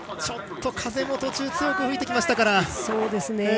ちょっと風も途中強く吹いてきましたから。